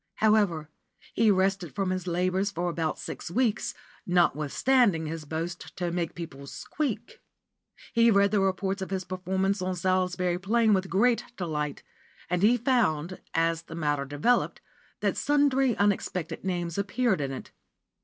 However, he rested from his labours for about six weeks, notwithstanding his boast to make people "squeak." He read the reports of his performance on Salisbury Plain with great delight, and he found, as the matter developed, that sundry unexpected names appeared in it.